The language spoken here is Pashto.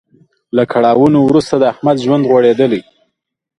له کړاوونو وروسته د احمد ژوند غوړیدلی.